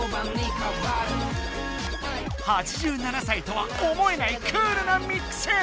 ８７歳とは思えないクールなミックス。